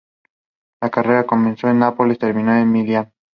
La carrera comenzó en Nápoles y terminó en Milán.